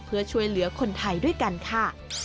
เพื่อช่วยเหลือคนไทยด้วยกันค่ะ